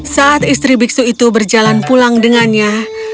saat istri biksu itu berjalan pulang dengannya